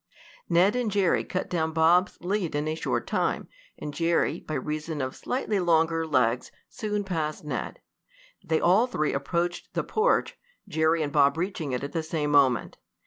Ned and Jerry cut down Bob's lead in a short time, and Jerry, by reason of slightly longer legs, soon passed Ned. They all three approached the porch, Jerry and Bob reaching it at the same moment.